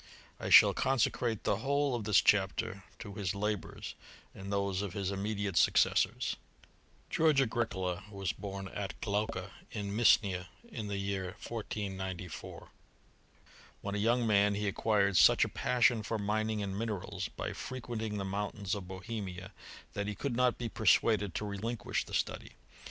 I shall consecrate the whole of this chapter to his la bours, and those of his immediate successors. George Agricola was bom at Glaucha, in Misnia, in the year 1494. When a young man he acquired such a passion for mining and minerals, by frequenting the mountains of Bohemia, that he could not be persuaded to relinquish the study.